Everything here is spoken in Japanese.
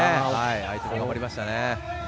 相手も頑張りましたね。